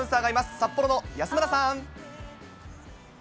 札幌の安村さん。